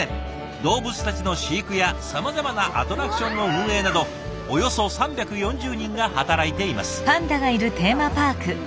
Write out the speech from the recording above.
動物たちの飼育やさまざまなアトラクションの運営などおよそ３４０人が働いています。